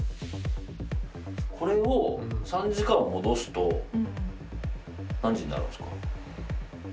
これを３時間戻すと何時になるんですか？